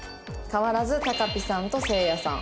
変わらずたかぴさんと晴也さん。